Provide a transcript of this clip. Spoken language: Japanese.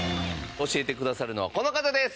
教えてくださるのはこの方です。